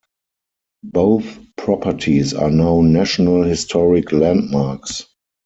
Both properties are now National Historic Landmarks.